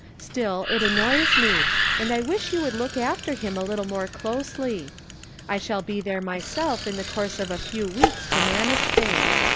Still, it annoys me, and I wish you would look after him a little more closely. I shall be there myself in the course of a few weeks to manage things.